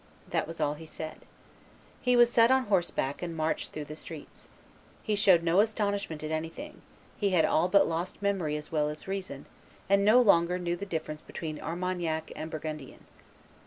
That was all he said. He was set on horseback and marched through the streets. He showed no astonishment at anything; he had all but lost memory as well as reason, and no longer knew the difference between Armagnac and Burgundian.